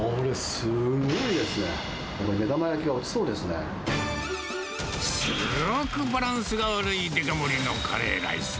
すごくバランスが悪いデカ盛りのカレーライス。